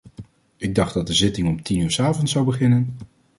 Ik dacht dat de zitting om tien uur ’s avonds zou beginnen.